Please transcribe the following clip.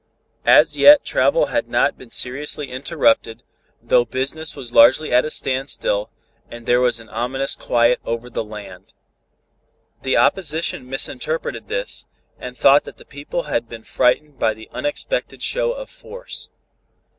As yet travel had not been seriously interrupted, though business was largely at a standstill, and there was an ominous quiet over the land. The opposition misinterpreted this, and thought that the people had been frightened by the unexpected show of force.